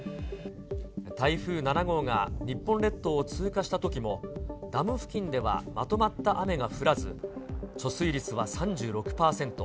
台風７号が日本列島を通過したときも、ダム付近ではまとまった雨が降らず、貯水率は３６％。